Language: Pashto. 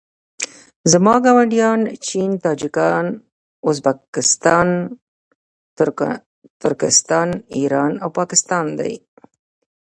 زما ګاونډیان چین تاجکستان ازبکستان ترکنستان ایران او پاکستان دي